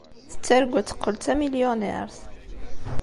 Tettargu ad teqqel d tamilyuniṛt.